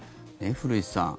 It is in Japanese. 古市さん